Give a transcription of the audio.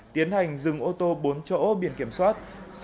tiến hành dừng ô tô bốn chỗ biển kiểm soát